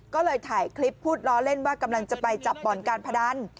ก็เลยถ่ายคลิปพูดล้อเล่นว่ากำลังจะไปจับบ่อนการพนัน